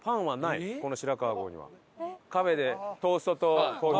この白川郷には。